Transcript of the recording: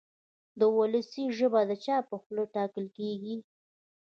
وولسي ژبه د چا په خوله ټاکل کېږي.